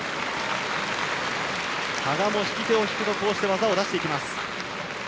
羽賀も引き手を引くと技を出してきます。